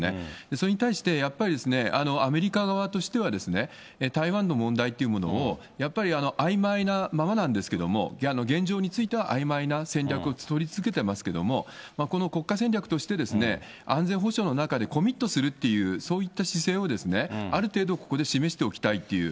それに対して、やっぱりアメリカ側としては、台湾の問題っていうものを、やっぱりあいまいなままなんですけれども、現状についてはあいまいな戦略を取り続けてますけれども、この国家戦略として、安全保障の中にコミットするっていう、そういった姿勢を、ある程度、ここで示しておきたいっていう。